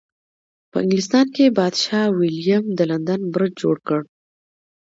په انګلستان کې پادشاه ویلیم د لندن برج جوړ کړ.